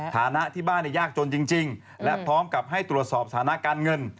ฐานะที่บ้านยากจนจริงและพร้อมกับให้ตรวจสอบสถานะการเงิน